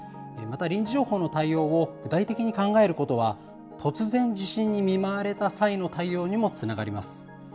また臨時情報の対応を具体的に考えることは、突然地震に見舞われた際の対応にもつながります。